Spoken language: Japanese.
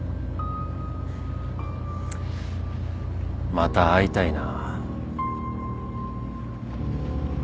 また会いたいな。